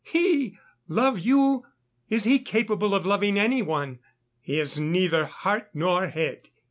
He! love you?... Is he capable of loving anyone? He has neither heart nor head.